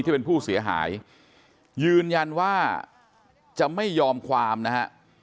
ที่เป็นผู้เสียหายยืนยันว่าจะไม่ยอมความนะฮะ